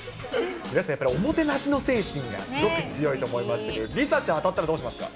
皆さん、おもてなしの精神がすごく強いと思いましたけれども、梨紗ちゃん、当たったらどうしますか。